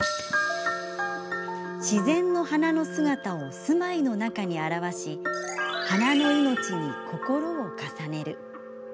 自然の花の姿を住まいの中に表し花の命に心を重ねる。